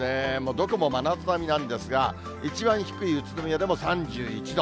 どこも真夏並みなんですが、一番低い宇都宮でも３１度。